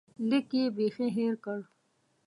لیک یې بیخي هېر کړ.